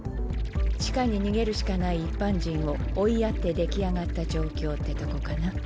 地下に逃げるしかない一般人を追いやって出来上がった状況ってとこかな。